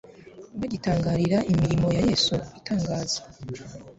bagitangarira imirimo ya Yesu itangaza,